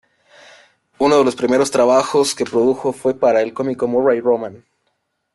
Uno de los primeros trabajos que produjo fue para el cómico Murray Roman.